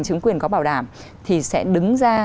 chứng quyền có bảo đảm thì sẽ đứng ra